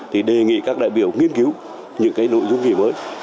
thì đề nghị các đại biểu nghiên cứu những cái nội dung gì mới